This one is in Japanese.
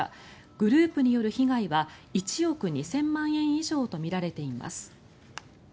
グループによる被害は１億２０００万円以上とみられています。